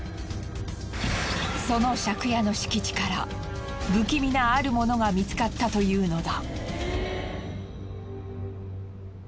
その借家の敷地から不気味なある物が見つかったというのだ。